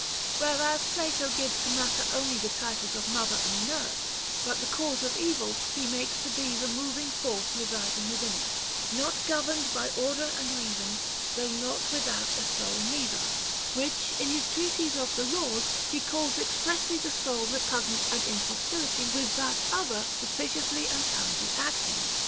Whereas Plato gives to mat ter only the titles of the mother and nurse ; but the cause of evil he makes to be the moving force residing within it, not governed by order and reasor though not without a soul neither, which, in his treatise of the Laws, he calls expressly the soul repugnant and in hostility with that other propitiously and kindly acting.